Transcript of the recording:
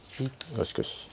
あしかし。